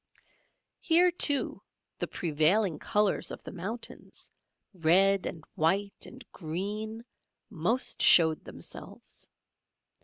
Here, too, the prevailing colours of the mountains, red and white and green, most showed themselves.